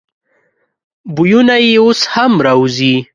بویونه یې اوس هم راوزي.